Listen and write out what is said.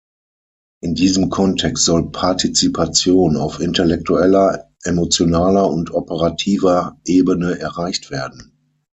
In diesem Kontext soll Partizipation auf intellektueller, emotionaler und operativer Ebene erreicht werden.